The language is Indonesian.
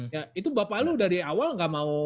ya itu bapak lo dari awal gak mau